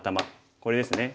これですね。